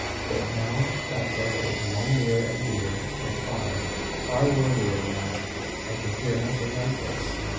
But now that there is one nearer and dearer, and far, far worthier than I, I can hear nothing like this.